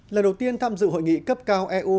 lần đầu tiên tham dự hội nghị cấp cao eu